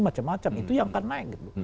macam macam itu yang akan naik gitu